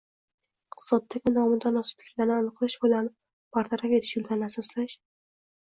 iqtisodiyotdagi nomutanosibliklarni aniqlash va ularni bartaraf etish yo`llarini asoslash